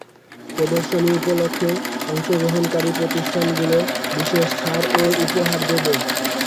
প্রদর্শনী উপলক্ষে অংশগ্রহণকারী প্রতিষ্ঠানগুলো বিশেষ ছাড় ও উপহার দেবে।